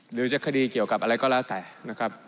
หรือจะคดีเกี่ยวกับอะไรก็แล้วแต่นะครับ